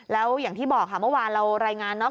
แล้วอย่างที่บอกค่ะเมื่อวานเรารายงานเนาะ